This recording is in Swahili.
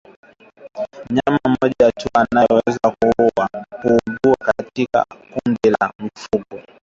Mnyama mmoja tu anaweza kuugua katika kundi la mifugo